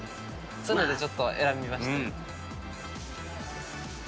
そういうのでちょっと選びました。